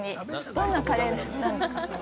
どんなカレーなんですか、それは。